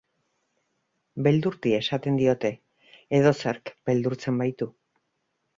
Beldurti esaten diote, edozerk beldurtzen baitu.